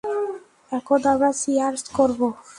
এখন আমরা চিয়ার্স করবো।